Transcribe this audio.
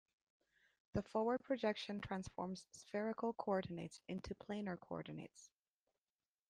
The forward projection transforms spherical coordinates into planar coordinates.